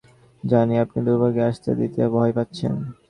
জানি আপনি দুর্ভাগ্যকে আসতে দিতে ভয় পাচ্ছেন।